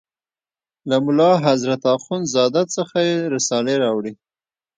له ملا حضرت اخوند زاده څخه یې رسالې راوړې.